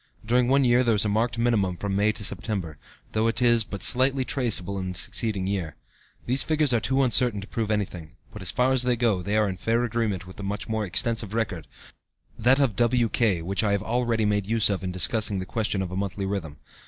During one year there is a marked minimum from May to September, though it is but slightly traceable in the succeeding year. These figures are too uncertain to prove anything, but, as far as they go, they are in fair agreement with the much more extensive record, that of W.K. (ante p. 113), which I have already made use of in discussing the question of a monthly rhythm.